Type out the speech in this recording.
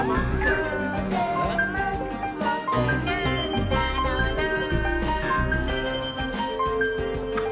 「もーくもくもくなんだろなぁ」